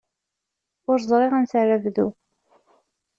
Ur ẓriɣ ansi ara bduɣ.